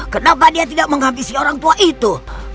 kenapa dia tidak menghabisi orang tua itu